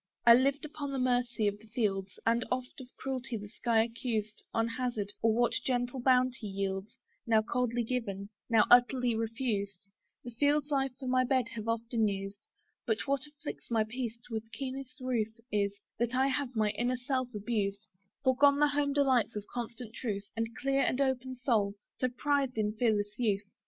I lived upon the mercy of the fields, And oft of cruelty the sky accused; On hazard, or what general bounty yields, Now coldly given, now utterly refused, The fields I for my bed have often used: But, what afflicts my peace with keenest ruth Is, that I have my inner self abused, Foregone the home delight of constant truth, And clear and open soul, so prized in fearless youth.